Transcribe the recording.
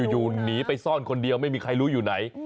อยู่หนีไปซ่อนคนเดียวไม่มีใครรู้อยู่ไหน